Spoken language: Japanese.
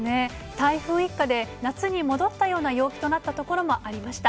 台風一過で夏に戻ったような陽気となった所もありました。